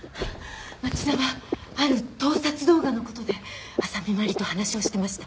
町田はある盗撮動画の事で浅見麻里と話をしてました。